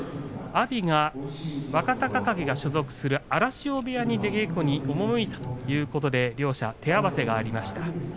阿炎が若隆景が所属する荒汐部屋に出稽古に赴いたということで両者、手合わせがありました。